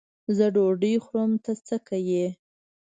زه ډوډۍ خورم؛ ته څه که یې.